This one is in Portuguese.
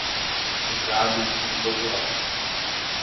O gado está em polvorosa